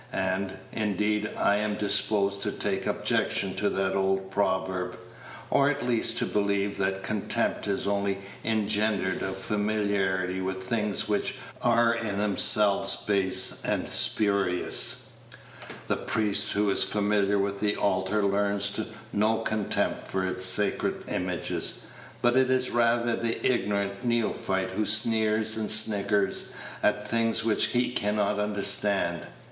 And, indeed, I am disposed to take objection to that old proverb, or at least to believe that contempt is only engendered of familiarity with things which are in themselves base and spurious. The priest who is familiar with the altar learns no contempt for its sacred images; but it is rather the ignorant neophyte who sneers and sniggers at things which he can not understand.